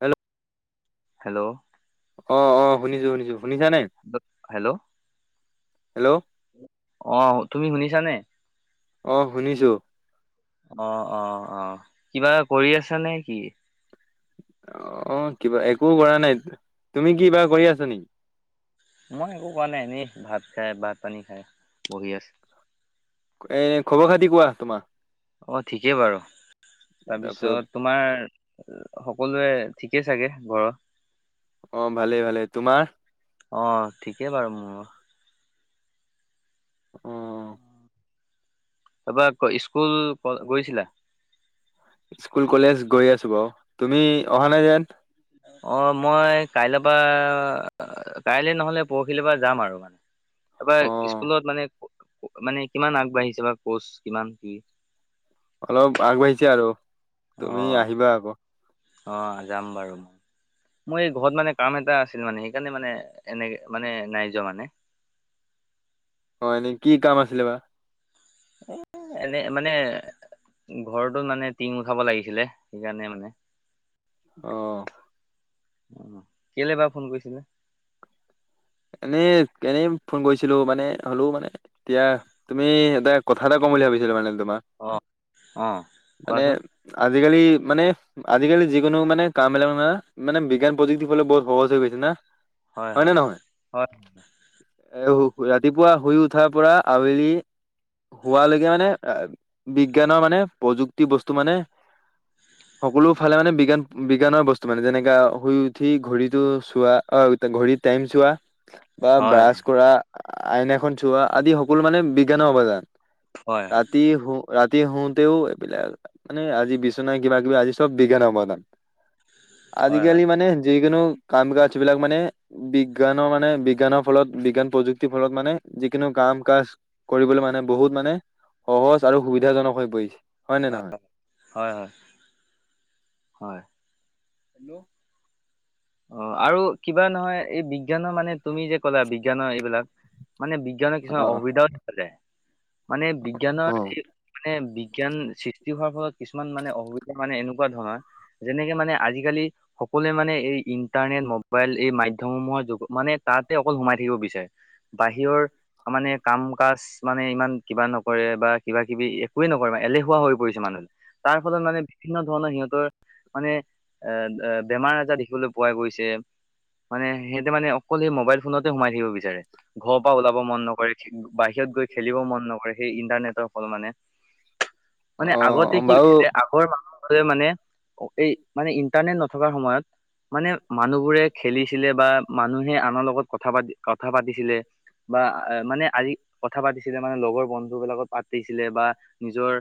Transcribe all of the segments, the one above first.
Hello. Hello অ অ শুনিছো শুনিছো শুনিছা নে হেল্ল' হেল্ল' অ তুমি শুনিছানে? অ শুনিছো। অ অ অ কিবা কৰি আছ নে কি? অ কিবা একো কৰা নাই তুমি কিবা কৰি আছা নেকি মই একো কৰা নাই এনে। ভাত খাই ভাত -পানী খাই বহি আছো। এ খবৰ খাতি কোৱা তোমাৰ। অ ঠিকেই বাৰু তাৰপিছত তোমাৰ সকলোৱে ঠিকে চাগে ঘৰৰ? অ ভালেই ভালে তোমাৰ? অ ঠিকেই বাৰু মোৰো। অ অ। তাৰপৰা স্কুল গৈছিলা? স্কুল কলেজ গৈ আছো বাও। তুমি অহা নাই যেন? অ মই কাইলৈ পৰা কাইলৈ নহলে পৰখিলিৰ পৰা যাম আৰু মানে অ তাৰপৰা স্কুলত মানে মানে কিমান আগবাঢ়িছে বা কচ কিমান কি? অলপ আগবাঢ়িছে আৰু অ তুমি আহিবা আকৌ। অ যাম বাৰু মই। মোৰ এই ঘৰত মানে কাম এটা আছিল মানে সেইকাৰণে মানে এনেকে মানে নাই যোৱা মানে। অ এনেই কি কাম আছিলে বা? এ এনে মানে ঘৰতো মানে টিঙ উঠাব লাগিছিলে সেইকাৰণে মানে অহ। উ কেলে বা ফোন কৰিছিলে? এনেই এনেই ফোন কৰিছিলো মানে হলো মানে এতিয়া তুমি এতিয়া কথা এটা ম বুলি ভাবিছিলো মানে তোমাক অ অ মানে কোৱাচোন আজিকালি মানে আজিকালি যিকোনো মানে কামবিলাকমানে বিজ্ঞান প্ৰযুক্তিৰ ফলত বহুত সহজ হৈ গৈছে না। হয় নে হয় হয়। নহয়? এ ৰাতিপুৱা শুই উঠাৰ পৰা আৱেলি হোৱালৈকে মানে বিজ্ঞানৰ মানে প্ৰযুক্তি বস্তু মানে সকলো ফালে মানে বিজ্ঞান বিজ্ঞানৰ বস্তু মানে। যেনেকা শুই উঠি ঘড়ীটো চোৱা অ ঘড়ী টাইম চোৱা। বা হয় ব্ৰাছ কৰা আইনা খন চোৱা আদি সকলো মানে বিজ্ঞানৰ অবদান। হয় হয় ৰাতি হু ৰাতি। ৰাতি শোওঁতেও এইবিলাক মানে আজি বিচনা কিবা কিবা আজি চব বিজ্ঞানৰ অৱদান। হয় হয় আজিকালি মানে যিকোনো কাম কাজবিলাক মানে বিজ্ঞান। মানে বিজ্ঞানৰ ফলত বিজ্ঞান প্ৰযুক্তিৰ ফলত মানে যিকোনো কাম কাজ কৰিবলৈ মানে বহুত মানে সহজ আৰু সুবিধাজনক হৈ পৰিছে। নে নহয়? হয় হয় হয়। হয়। হেল্ল'। অ আৰু কিবা নহয়, এই বিজ্ঞানৰ মানে তুমি যে ক'লা বিজ্ঞানৰ এইবিলাক। মানে বিজ্ঞানৰ কিছুমান অসুবিধাও দেখা যায়। মানে বিজ্ঞানৰ এই মানে বিজ্ঞান। সৃষ্টি হোৱাৰ ফলত কিছুমান মানে অসুবিধা মানে এনেকুৱা ধৰণৰ, যেনেকে মানে আজিকালি সকলোৱে মানে এই ইণ্টাৰনেট মোবাইল এই মাধ্যমসমূহৰ যুগত মানে তাতে অকল সোমাই থাকিব বিচাৰে। বাহিৰৰ মানে কাম কাজ মানে ইমান কিবা নকৰে বা কিবা কিবি একোৱে নকৰে মানে। এলেহুৱা হৈ পৰিছে মানুহ। তাৰ ফলত মানে, বিভিন্ন ধৰণৰ সিহঁতৰ মানে এ বেমাৰ আজাৰ দেখিবলৈ পোৱা গৈছে। মানে সিহঁতে মানে অকল সেই মোবাইল ফোনতে সোমাই থাকিব বিচাৰে। ঘৰৰ পৰা ওলাব মন নকৰে, বাহিৰত গৈ খেলিব মন নকৰে সেই ইন্টাৰনেটৰ। হল মানে। মানে আগতে অ কি বাৰু আগৰ মানুহ। মানে, এই মানে ইন্টাৰনেট নথকাৰ সময়ত। মানে মানুহবোৰে খেলিছিলে বা মানুহে আনৰ লগত কথা পাতি কথা পাতিছিলে। বা মানে আজি কথা পাতিছিলে নহয়, লগৰ বন্ধু বিলাকত পাতিছিলে বা নিজৰ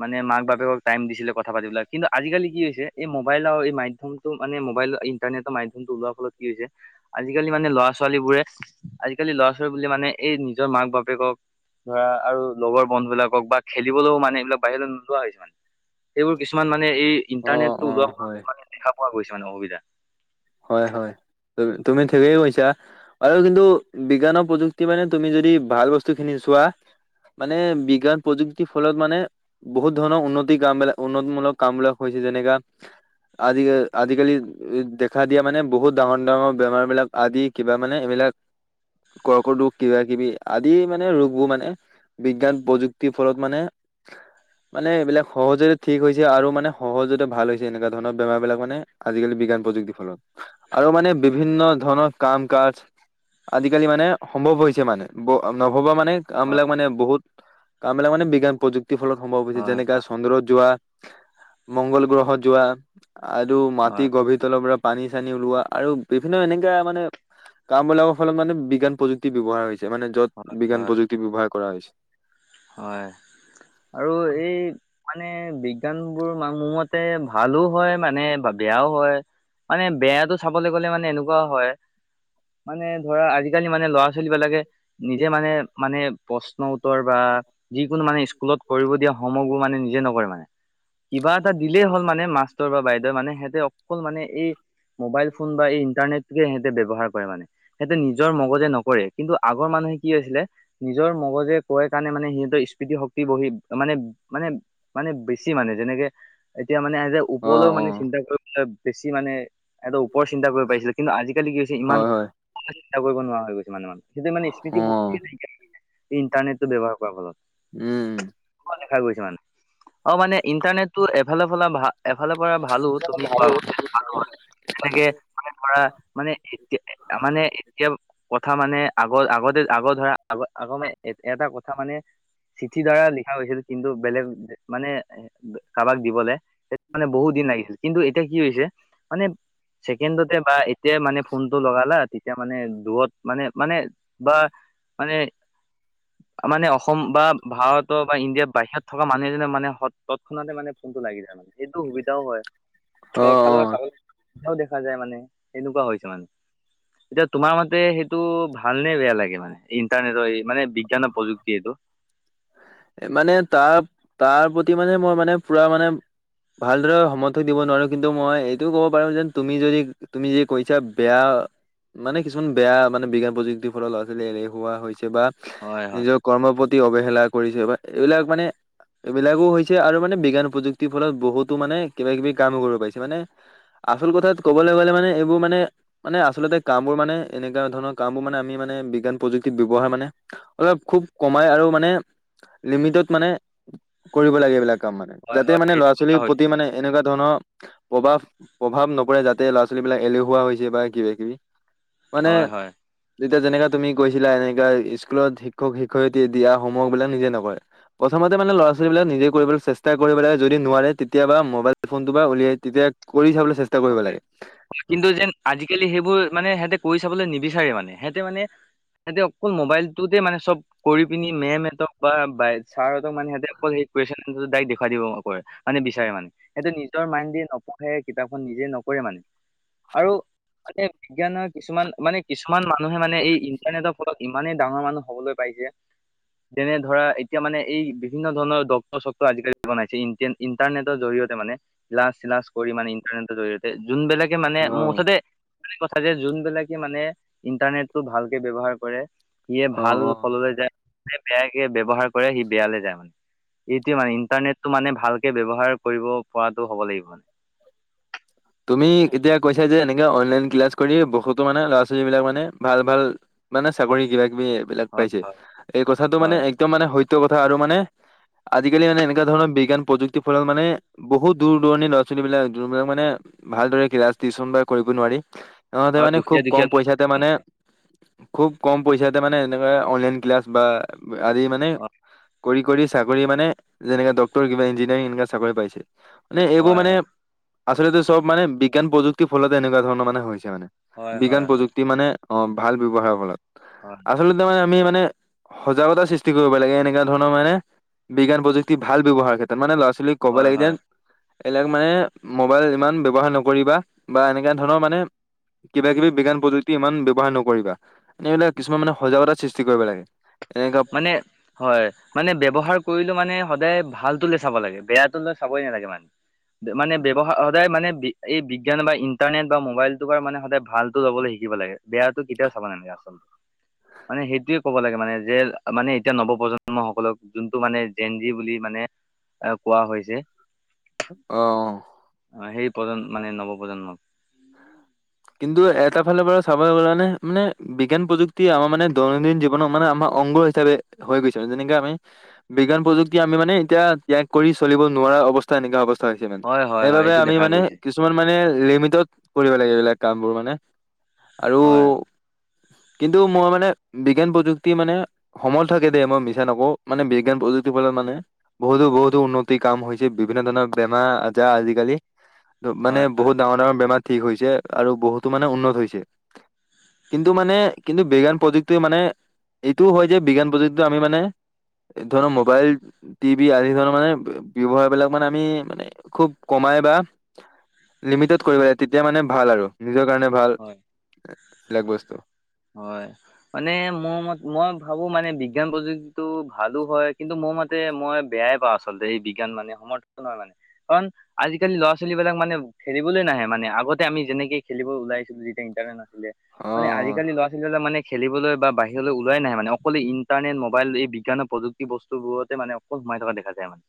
মানে মাক বাপেকক টাইম দিছিলে কথা পাতি বিলাক। কিন্তু আজিকালি কি হৈছে, এই মোবাইলৰ এই মাধ্যমটো মানে মোবাইলত ইন্টাৰনেটৰ মাধ্যমটো ওলোৱাৰ ফলত কি হৈছে, আজিকালি মানে ল'ৰা ছোৱালী বোৰে আজিকালি ল'ৰা ছোৱালী বুলি মানে মানে এই নিজৰ মাক বাপেকক ধৰা আৰু লগৰ বন্ধুবিলাকক বা খেলিবলৈও মানে এইবিলাক বাহিৰলৈ নোলোৱা হৈছে মানে। এইবোৰ কিছুমান মানে এই অ ইণ্টাৰনেট অ টো ওলোৱা পা হয়। মানে দেখা পোৱা গৈছে মানে অসুবিধা। হয় হয়। তুমি ঠিকেই কৈছা। আৰু কিন্তু বিজ্ঞানৰ প্ৰযুক্তি মানে তুমি যদি ভাল বস্তু খিনি চোৱা। মানে বিজ্ঞান প্ৰযুক্তিৰ ফলত মানে বহুত ধৰণৰ উন্নতিৰ কাম বিলাক উন্নত মূলক কাম বিলাক হৈছে। যেনেকা আজি আজিকালি দেখ। খা দিয়া মানে বহুত ডাঙৰ ডাঙৰ বেমাৰ বিলাক আদি কিবা মানে এইবিলাক। কৰ্কত ৰোগ কিবা কিবি আদি মানে ৰোগবোৰ মানে বিজ্ঞান প্ৰযুক্তি। ফলত মানে। মানে এইবিলাক সহজতে ঠিক হৈছে আৰু মানে এইবিলাক সহজতে ঠিক হৈছে আৰু মানে সহজতে ভাল হৈছে এনেকুৱা ধৰণৰ বেমাৰ বিলাক মানে আজিকালি বিজ্ঞান প্ৰযুক্তি। ফলত আৰু মানে বিভিন্ন ধৰণ। কাম কাজ আজিকালি মানে সম্ভৱ হৈছে মানে। ব ন হ'ব মানে, কামবিলাক হয় মানে বহুত। কামবিলাক মানে বিজ্ঞান প্ৰযুক্তিৰ ফলত সম্ভৱ হৈছে। হয় যেনেকা হয় চন্দ্ৰত যোৱা। মংগল গ্ৰহত যোৱা আৰু মাটি হয় গভীৰ তলৰ পৰা। পানী চানী ওলোৱা আৰু বিভিন্ন এনেকা মানে কাম বিলাকৰ ফলত মানে বিজ্ঞান প্ৰযুক্তি ব্যয়ৱহাৰ হৈছে। মানে হয় য'ত বিজ্ঞান হয় প্ৰযুক্তি ব্যৱহাৰ কৰা হৈছে। হয় আৰু এই মানে বিজ্ঞান বোৰ উন্নত। ভালো হয় মানে ভাবি বেয়াও হয় মানে বেয়াটো চাবলৈ গলে মানে এনেকুৱাও হয় মানে ধৰা আজিকালি মানে ল'ৰা ছোৱালী বিলাকে নিজে মানে মানে প্ৰশ্ন উত্তৰ বা যিকোনো মানে স্কুলত কৰিব দিয়া সমগো মানে মানে নিজে নকৰে মানে কিবা এটা দিলেই হ'ল মানে মাষ্টৰ বা বাইদেউ মানে সিহঁতে অকল মানে এই মোবাইল অ', ফোন বা এই ইন্টাৰনেটে সিহঁতে ব্যৱহাৰ কৰে মানে সিহঁতে নিজৰ মগজে নকৰে কিন্তু আগৰ মানুহ কি হৈ আছিলে নিজৰ মগজে কয় কাৰণে মানে সিহঁতৰ স্মৃতি শক্তি বহি মানে মানে মানে বেছি মানে যেনেকে এতিয়া মানে আজি অ', ওপৰলৈও মানে চিন্তা কৰিবলৈ বেছি মানে। এটা ওপৰ চিন্ত কৰিব পাৰিছিলে কিন্তু আজিকালি কি হৈছে ইমান হয়, হয়, চিন্তা কৰিব নোৱাৰা হৈ গৈ মানে মানুহে। সেইটো মানে স্মৃতি শক্তি অ', নাই ইণ্টাৰনেট টো ব্যৱহাৰ কৰাৰ ফলত। উম দেখা গৈছে মানে। অ মানে ইণ্টাৰনেটটো এফালোল ভ এফালে পৰা ভালো তুমি কোৱা মান ভ এনেকে মানে ধৰা মানে এতিয়া মানে এতিয়া কথা মানে আগৰ আগতে আগৰ ধৰা আগ আগ এটা কথা মানে চিঠিৰ দ্বাৰা লিখা হৈছিল কিন্তু বেলেগ মানে কাৰোবাক দিবলে‌ মানে বহুত দিন লাগিছিল কিন্তু এতিয়া কি হৈছে মানে ছেকেণ্ডতে বা এতিয়া মানে ফোনটো লগালা তেতিয়া মানে দূৰত মানে মানে বা মানে [unintelligible] মানে অসম বা ভাৰতৰ বা ইণ্ডিয়াৰ বাহিৰত থকা মানুহ এজনে মানে সৎ খতে মানে ফোনটো লাগি যায় মানে এইটো সুবিধাও হয় অ', খালৰ অ', চাগলও দেখা যায় মানে এনেকুৱা হৈছে মানে এতিয়া তোমাৰ মতে সেইটো ভালনে বেয়া লাগে মানে ইণ্টাৰনেটৰ মানে বিজ্ঞানৰ প্ৰযুক্তি এইটো মানে তাৰ তাৰ প্ৰতি মানে মই মানে পুৰা মানে ভালদৰে সমৰ্থক দিব নোৱাৰো কিন্তু মই এইটোও কব পাৰো যেন তুমি যদি তুমি যদি কৈছা বেয়া অ মানে কিছুমান বেয়া মানে বিজ্ঞান প্ৰযুক্তিৰ ফলৰ ল'ৰা ছোৱালী এৰেহৱা হৈছে বা হয় হয় নিজৰ কৰ্ম অৱহেলা কৰিছে বা এইবিলাক মানে এইবিলাকো হৈছে আৰু মানে বিজ্ঞান প্ৰযুক্তিৰ ফলত বহুতো মানে কিবা কিবি কাম কৰিব পাইছে মানে আচল কথাত ক'বলৈ গ'লে মানে এইবোৰ মানে মানে আচলতে কাম বোৰ মানে এনেকুৱা ধৰণৰ কাম বোৰ মানে আমি মানে বিজ্ঞান প্ৰযুক্তি ব্যৱহাৰ মানে অলপ খুব কমাই আৰু মানে লিমিটত মানে কৰিব লাগে এইবিলাক কাম মানে হয় যাতে হয় মানে ল'ৰা ছোৱালীৰ প্ৰতি মানে এনেকুৱা ধৰণৰ প্ৰভাৱ প্ৰভাৱ নপৰে যাতে ল'ৰা ছোৱালী বিলাক এলেহুৱা হৈছে বা কিবা কিবি হয় হয় তেতিয়া যেনেকা তুমি কৈছিলা এনেকা স্কুলত শিক্ষক শিক্ষয়িত্ৰী দিয়া হোমৱৰ্ক বিলাক নিজে নকৰে প্ৰথতে মানে ল'ৰা ছোৱালী বিলাক নিজে কৰিবলৈ চেষ্টা কৰিব লাগে যদি নোৱাৰে তেতিয়াবা মোবাইল ফোনটো পৰা উলিয়াই তেতিয়া কৰি চাবলৈ চেষ্টা কৰিব হয় লাগে। কিন্তু যেন আজিকালি সেইবোৰ মানে সিহতে কৰি চাবলৈ নিবিচাৰে মানে সিহঁতে মানে হেতি অকল মোবাইলটোতে মানে চব কৰি পিনি মেমতক বা বাই ছাৰহঁত মে সহঁতে ড দেখুৱাই দিব কৰে মানে বিচাৰে মানে সেইটো নিজ মাইণ্ড দি নপঢ়ে কিতাপ নিজে নকৰে মানে আৰু বিজ্ঞানৰ কিছুমান মানে কিছুমান মানুহে মানে এই ইণ্টাৰনেটৰ ফলত ইমানেই ডাঙৰ মানুহ হবলৈ পাইছে যেনে ধৰা এতিয়া মানে এই বিভিন্ন ধৰণৰ ডক্ত চক্ত আজি কালি বনাইছে ইণ্টাৰনেটৰ জৰিয়তে মানে লচ কৰি মানে ইণ্টাৰনেটৰ জৰিয়তে যোনবিলাকে মানে মোৰ অ', মুঠতে কথা যে যোনবিলাকে মানে ইণ্টাৰনেটটো ভালকে ব্যৱহাৰ কৰে। সিয়ে অ', ভাল অ'। ফললৈ যায় বেয়াকে ব ব্যৱহাৰ কৰে সি বেয়ালৈ যায় মানে। এইটোয়ে মানে ইণ্টাৰনেটটো মানে ভালকে ব্যৱহাৰ কৰিব পৰাতটো হ'ব লাগিব মানে। তুমি এতিয়া কৈছা যে এনেকে অনলাইন ক্লাছ কৰি বহুতো মানে ল'ৰা ছোৱালী বিলাক মানে ভাল ভাল। মানে চাকৰি কিবা কিবি এইবিলাক হয় পাইছে হয় এই কথাটো মানে হয় একদম মানে সট্যয় কথা আৰু মানে। আজিকালি মানে এনেকুৱ ধৰ বিজ্ঞান প্ৰযুক্তিৰ ফল মানে বহুত দূৰ দূণি লৰা ছোৱালী বিলাক দবিলাক মানে। ভালদৰে কিবা টিচন বা কৰিব নোৱাৰি সিহতে হয় মানে খুব দুখীয়া কম দুখীয়া পইচাতে মানে। খুব কম পইচাতে মানে এনেকে অনলাইন ক্লাছ বা আদি মানে। হয় কৰি কৰি চাকৰি মানে যেনেককা ডটৰি কিবা ইঞ্জিনিয়াৰিং এনেকা চাকৰি পাইছে। মানে এইবোৰ হয় মানে হয় আচলতে। চব মানে বিজ্ঞান প্ৰযুক্তিৰ ফলতে এনেকুৱা ধৰণৰ মানে হৈছে মানে হয় বিজ্ঞান হয় প্ৰযুক্তি মানে অ ভাল ব ব্যয়হাৰৰ ফলত। হয় আচলতে তাৰে আমি মানে সজাগতা সৃষ্টি কৰিব লাগে এনেকা ধৰণৰ মানে। বিজ্ঞান প্ৰযুক্তি ভাল ব্যৱহাৰৰ ক্ষেত্ৰত মানে ল'ৰা ছোৱালীক ক'ব হয় লাগি হয় যেন এইবিলাক মানে মবাইল ইমান। ব্যৱহাৰ নকৰিবা বা এনেককা ধৰণৰ মানে কিবা কিবি বিজ্ঞান প্ৰযুক্তি ইমান। ব্যৱহাৰ নকৰিবা এইবিলাক কিছুমান মানে সজাগতা সৃষ্টি কৰিব লাগে। এনেকা মানে হয় মানে ব্যৱহাৰ কৰিলো মানে। সদায় ভালটোলৈ চাব লাগে বেয়াটো ল চাবই নালাগে মানে মানে ব্যৱহাৰ সদায় মানে। এই বিজ্ঞান বা ইণ্টাৰনেট বা মোবাইলটো পা মানে সদায় ভালটো ল'বলৈ শিকিব লাগে বেয়াটো কেতিয়াও চাব নালাগে আচলতে, মানে সেইটোয়ে ক'ব লাগে মানে। যে মানে এতিয়া নৱপ্ৰজন্ম সকলক যোনটো মানে জেন জি বুলি মানে। এ কোৱা হৈছে। অহ। অ সেই প্ৰজন্ম মানে নৱ প্ৰজন্মৰ। কিন্তু এটা ফালৰ পৰা চাব কাৰণে মানে বিজ্ঞান প্ৰযুক্তি আমাৰ মানে দৈনন্দিন জীৱনত মানে আমাৰ। অংগ হিচাপে হৈ গৈছে যেনেকে আমি বিজ্ঞান প্ৰযুক্তি আমি মানে এতিয়া ত্যাগ কৰি চলিব নোৱাৰো। অৱস্থা এনেকা অ। মানে হয় হয় হয় সেইবাবে এইটো আমি দেখা মানে গৈছে কিছুমান মানে লিমিটত কৰিব লাগে এইবিলাক কামবোৰ মানে। আৰু হয় কিন্তু মই মানে বিজ্ঞান প্ৰযুক্তি মানে। সমল থাকে দে মই মিছা নকওঁ মানে বিজ্ঞান প্ৰযুক্তিৰ ফলত মানে বহুতো বহুতো উন্নতিৰ কাম হৈছে। বিভিন্ন ধৰণৰ বেমাৰ আজাৰ আজিকালি মানে হয় হয় বহুত ডাঙৰ ডাঙৰ বেমাৰ ঠিক হৈছে। আৰু বহুতো মানে উন্নত হৈছে কিন্তু মানে কিন্তু বিজ্ঞান প্ৰযুক্তি মানে। এইটো হয় যে বিজ্ঞান প্ৰযুক্তিটো আমি মানে। এই ধৰ মোবাইল টিভি আদি ধৰ মানে। ব্যয়ৱহাৰ বিলাক মানে আমি মানে খুব কমাই বা লিমিটেড কৰিব লাগে তেতিয়া মানে। ভাল আৰু নিজৰ কাৰণে ভাল হয়। এইবিলাক বস্তু। হয় মানে মোৰ ম মই ভাবো মানে বিজ্ঞান প্ৰযুক্তিটো ভালো হয় কিন্তু। মোৰ মতে মই বেয়াই পাওঁ আচলতে এই বিজ্ঞান মানে সমৰ্থনয় মানে কাৰণ আজিকালি ল'ৰা ছোৱালী বিলাক মানে। মানে খেলিবলৈ নাহোনে আগতে আমি যেনেকে খেলিব ওলাইছিলো যেতিয়া ইন্টাৰনেট। মানে অ আজিকালি ল'ৰা ছোৱালী বিলাক মানে। খেলিবলৈ বা বাহিৰলৈ ওলাই নাহাই মানে অকলে ইণ্টাৰনেট মোবাইল এই বিজ্ঞানৰ প্ৰযুক্তি বস্তুবোৰতে মানে অকল। সোমাই থকা দেখা যায় ইমান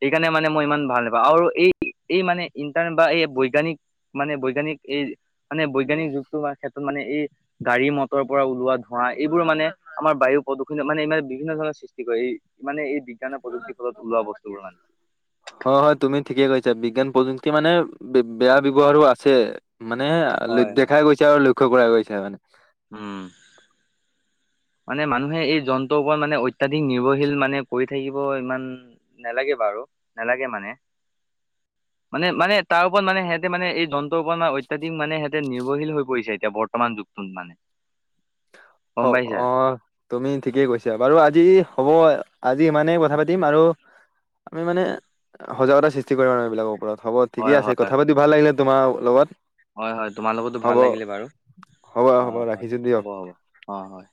সেইকাৰণে মানে মই ইমান ভাল নাপাওঁ আৰু এই। এই মানে ইণ্টাৰনেট বা এই বৈজ্ঞানিক মানে বৈজ্ঞানিক এই মানে বৈজ্ঞানিক যুগতটো ক্ষেত্ৰত মানে। মানে এই। গাড়ী মটৰ পৰা ওলোৱা ধোঁৱা এইবোৰ মানে আমাৰ বায়ু প্ৰদূষণ মানে মানে বিভিন্ন ধৰণৰ সৃষ্টি কৰে এই। মানে এই। বিজ্ঞানৰ প্ৰযুক্তিৰ ফলত ওলোৱা বস্তুবোৰ মানে। অ হয় তুমি ঠিকেই কৈছা বিজ্ঞান। যুক্তি মানে বেয়া ব্যয়ৱহাৰো আছে মানে হয় হয়। দেখাই গৈছে আৰু। লক্ষ্য কৰা গৈছে মানে। উম। মানে মানুহে এই যন্ত্ৰৰ ওপৰত মানে অত্যাধিক নিৰ্ভৰশীল মানে কৰি থাকিব ইমান নালাগে। বাৰু নালাগে মানে। [unintelligible] মানে মানে তাৰ ওপৰত মানে সিহঁতে মানে এই যন্তৰওপৰত ম অত্যাধিক মানে সিহঁতে নিৰ্ভশীল হৈ পৰিছে এতিয়া বৰ্তমান যুগ। তুল মানে [unintelligible] অ গম পাইছা অ। তুমি ঠিকেই কৈছা। বাৰু আজি হ'ব আজি ইমানেই কথা পাতিম আৰু, আমি মানে সজাগতা সৃষ্টি কৰা আৰু এইবিলাকৰ ওপৰত। হ'ব ঠিকে হয় হয়। আছে, কথা পাতি ভাল লাগিলে তোমাৰ লগত। হয় হয় তোমালোকতো ভাল হ'ব লাগিলে বাৰু। হ'ব অ হ'ব হয় ৰাখিছোঁ দিয়ক হ'ব হ'ব অ হয়।